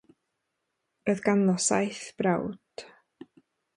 Roedd ganddo saith brawd.